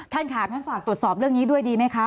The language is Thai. ท่านค่ะท่านฝากตรวจสอบเรื่องนี้ด้วยดีไหมคะ